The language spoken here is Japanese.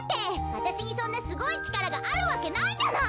わたしにそんなすごいちからがあるわけないじゃない。